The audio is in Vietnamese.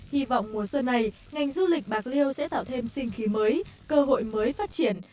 hy vọng mùa xuân này ngành du lịch bạc liêu sẽ tạo thêm sinh khí mới cơ hội mới phát triển